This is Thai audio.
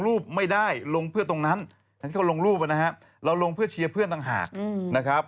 แล้วลงเพื่อเชียร์เพื่อนต่างหากนะครับ